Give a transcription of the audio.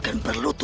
aku memberikan uktu